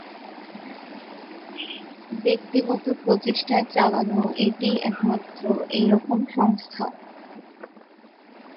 ব্যক্তিগত প্রচেষ্টায় চালানো এটিই একমাত্র এই রকম সংস্থা।